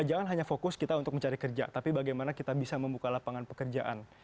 jangan hanya fokus kita untuk mencari kerja tapi bagaimana kita bisa membuka lapangan pekerjaan